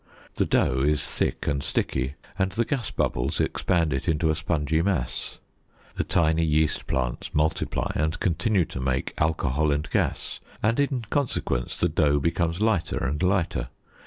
The dough is thick and sticky and the gas bubbles expand it into a spongy mass. The tiny yeast plants multiply and continue to make alcohol and gas, and in consequence, the dough becomes lighter and lighter.